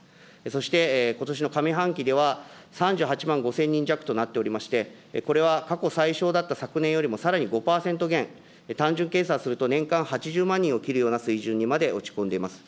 そして、ことしの上半期では３８万５０００人弱となっておりまして、これは過去最少だった昨年よりもさらに５％減、単純計算すると年間８０万人を切るような水準にまで落ち込んでいます。